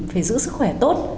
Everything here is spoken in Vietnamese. phải giữ sức khỏe tốt